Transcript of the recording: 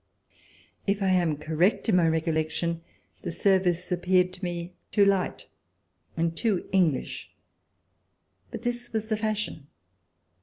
If I am correct in my recollec tion, the service appeared to me too light and too English. But this was the fashion.